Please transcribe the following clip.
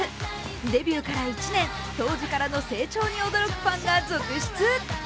デビューから１年当時からの成長に驚くファンが続出。